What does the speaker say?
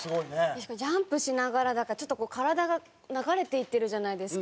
確かにジャンプしながらだからちょっと体が流れていってるじゃないですか。